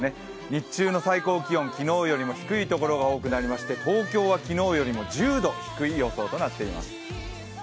日中の最高気温昨日よりも低いところが多くなりまして、東京は昨日よりも１０度低い予想となっています。